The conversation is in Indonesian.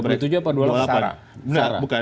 dua puluh tujuh atau dua puluh delapan